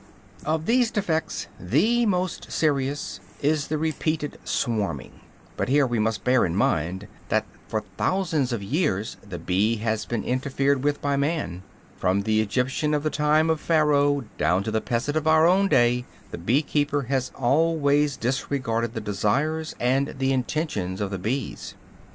Of these defects the most serious is the repeated swarming. But here we must bear in mind that for thousands of years the bee has been interfered with by man. From the Egyptian of the time of Pharaoh down to the peasant of our own day the bee keeper has always disregarded the desires and the intentions of the bees.